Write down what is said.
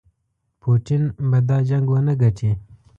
پوټین به دا جنګ ونه ګټي.